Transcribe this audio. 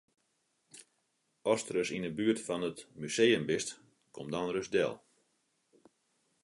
Ast ris yn 'e buert fan it museum bist, kom dan ris del.